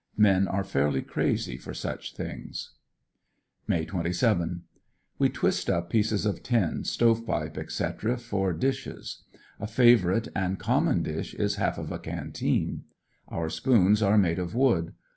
Men are fairly crazy for such things. ;^Iay 27^ — We twist up pieces of tin, stovepipe, &c., for dishes. A fi^orite and common dish is half of a canteen. Our spoons are made d'f wood.